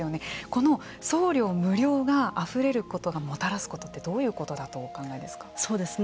この送料無料があふれることがもたらすことってどういうことだとお考えですか。